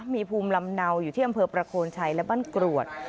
มีภูมิลำเนาอยู่ที่อำเภอประโคนชัยและบ้านกรวด